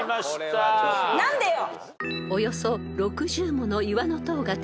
何でよ？